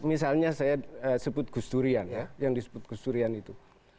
misalnya saya sebut gusdurian ya yang disebut gusdurian itu